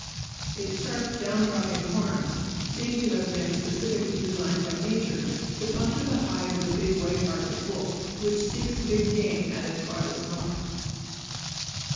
Its sharp, down dropping horns seem to have been specially designed by nature to puncture the hide of the big white arctic wolf, which seeks big game at its farthest north.